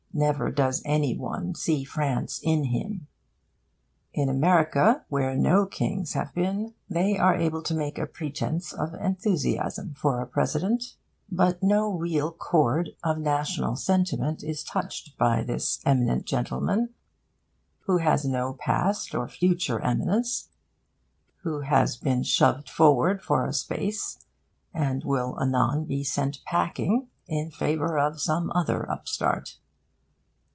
Never does any one see France in him. In America, where no kings have been, they are able to make a pretence of enthusiasm for a President. But no real chord of national sentiment is touched by this eminent gentleman who has no past or future eminence, who has been shoved forward for a space and will anon be sent packing in favour of some other upstart.